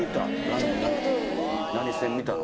何戦見たの？